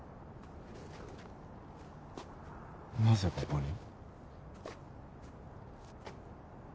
なぜここに？